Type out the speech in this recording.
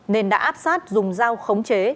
nên đã áp sát dùng dao khống chế